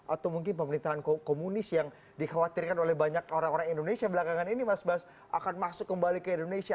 atau mungkin pemerintahan komunis yang dikhawatirkan oleh banyak orang orang indonesia belakangan ini mas bas akan masuk kembali ke indonesia